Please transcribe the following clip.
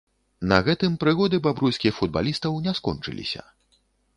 На гэтым прыгоды бабруйскіх футбалістаў не скончыліся.